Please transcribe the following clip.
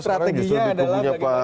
sekarang disuruh dikubuhi pak